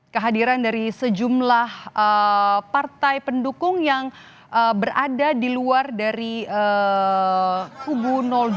kehadiran dari sejumlah partai pendukung yang berada di luar dari kubu dua